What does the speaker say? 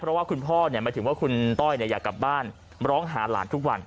เพราะว่าคุณพ่อหมายถึงว่าคุณต้อยอยากกลับบ้านร้องหาหลานทุกวัน